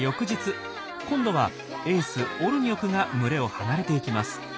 今度はエースオルニョクが群れを離れていきます。